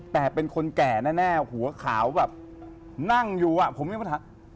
แต่เป็นคนแก่แน่หัวขาวแบบนั่งอยู่อ่ะผมยังมาถาม